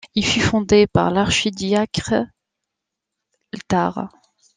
Il fut fondé par l'archidiacre Ithar.